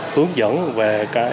hướng dẫn về